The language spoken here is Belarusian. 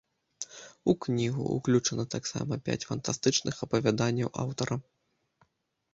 У кнігу ўключана таксама пяць фантастычных апавяданняў аўтара.